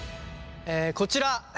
えこちら